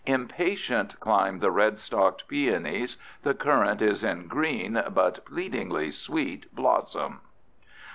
Impatient climb the red stalked peonies. The currant is in green but pleadingly sweet blossom.